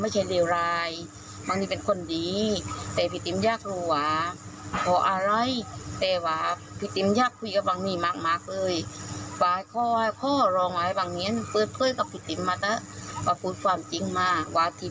ถ้าเป็นจริงพี่ติมก็ไม่ได้หว่าอะไร